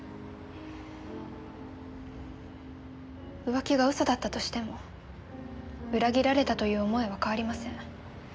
浮気が嘘だったとしても裏切られたという思いは変わりません。